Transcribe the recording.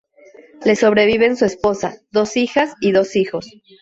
Le sobreviven su esposa, dos hijas y dos hijos.